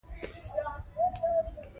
افغانستان په سنگ مرمر غني دی.